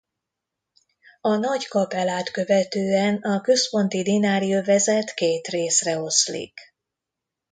A Nagy-Kapelát követően a központi Dinári övezet két részre oszlik.